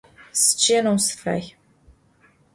Sıççıêneu sıfay.